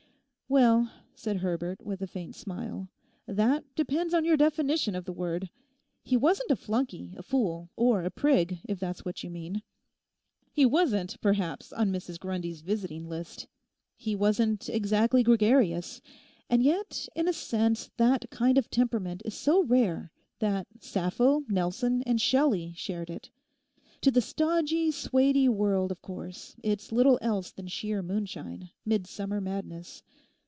'Well,' said Herbert with a faint smile, 'that depends on your definition of the word. He wasn't a flunkey, a fool, or a prig, if that's what you mean. He wasn't perhaps on Mrs Grundy's visiting list. He wasn't exactly gregarious. And yet in a sense that kind of temperament is so rare that Sappho, Nelson, and Shelley shared it. To the stodgy, suety world of course it's little else than sheer moonshine, midsummer madness.